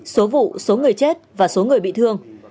số vụ số người chết và số người bị thương